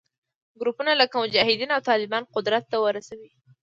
ګروپونه لکه مجاهدین او طالبان قدرت ته ورسوي